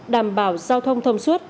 đảm bảo giao thông thông suốt